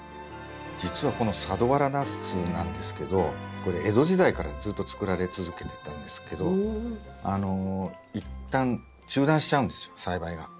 実はこの佐土原ナスなんですけどこれ江戸時代からずっと作られ続けてたんですけどあの一旦中断しちゃうんですよ栽培が。